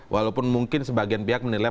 walaupun mungkin sebagian pihak menilai